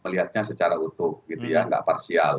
melihatnya secara utuh gitu ya nggak parsial